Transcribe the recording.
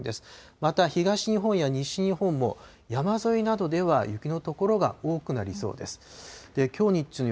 また東日本や西日本も、山沿いなどでは雪の所が多くなりそうです。